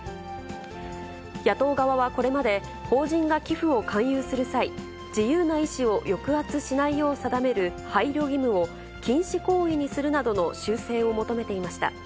野党側はこれまで、法人が寄付を勧誘する際、自由な意思を抑圧しないよう定める、配慮義務を禁止行為にするなどの修正を求めていました。